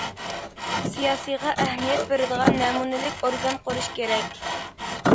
« سىياسىيغا ئەھمىيەت بېرىدىغان» نەمۇنىلىك ئورگان قۇرۇش كېرەك.